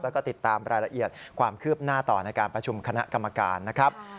แล้วก็ติดตามรายละเอียดความคืบหน้าต่อในการประชุมคณะกรรมการนะครับ